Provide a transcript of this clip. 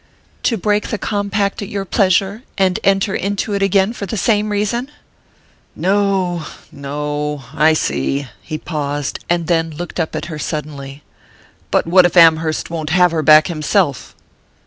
"To break the compact at your pleasure, and enter into it again for the same reason?" "No no I see." He paused, and then looked up at her suddenly. "But what if Amherst won't have her back himself?"